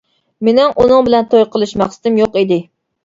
مېنىڭ ئۇنىڭ بىلەن توي قىلىش مەقسىتىم يوق ئىدى.